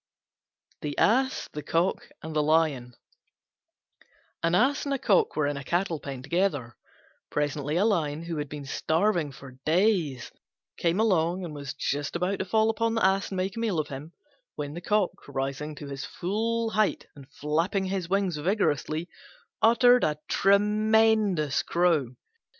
THE ASS, THE COCK, AND THE LION An Ass and a Cock were in a cattle pen together. Presently a Lion, who had been starving for days, came along and was just about to fall upon the Ass and make a meal of him when the Cock, rising to his full height and flapping his wings vigorously, uttered a tremendous crow.